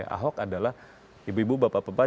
ahok adalah ibu ibu bapak bapak